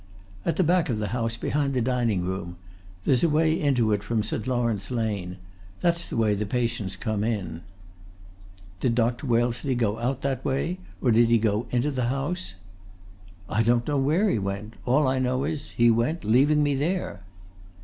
"At the back of the house; behind the dining room. There's a way into it from St. Lawrence Lane. That's the way the patients come in." "Did Dr. Wellesley go out that way, or did he go into the house?" "I don't know where he went. All I know is he went, leaving me there."